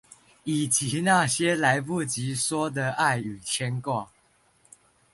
以及那些來不及說的愛與牽掛